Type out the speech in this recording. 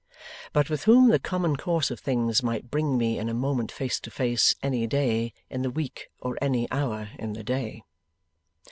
'But with whom the common course of things might bring me in a moment face to face, any day in the week or any hour in the day.